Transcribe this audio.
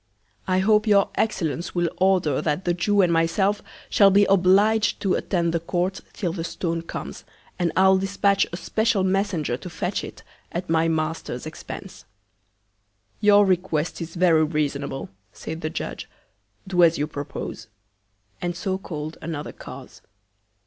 I hope your Excellence will order, that the Jew and myself shall be oblig'd to attend the Court, till the Stone comes, and I'll dispatch a special Messenger to fetch it, at my Master's Expence. Your Request is very reasonable, said the Judge. Do as you propose; and so call'd another Cause.